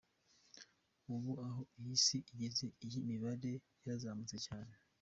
Ubu aho iyi si igeze, iyi mibare yarazamutse cyane.